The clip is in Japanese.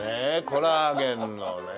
コラーゲンのね。